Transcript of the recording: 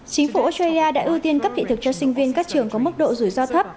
chính phủ australia đã ưu tiên cấp vị thực cho sinh viên các trường có mức độ rủi ro thấp